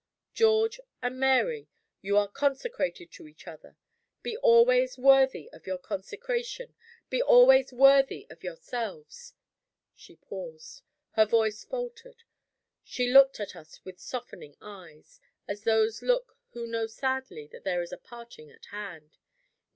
George and Mary, you are consecrated to each other! Be always worthy of your consecration; be always worthy of yourselves." She paused. Her voice faltered. She looked at us with softening eyes, as those look who know sadly that there is a parting at hand.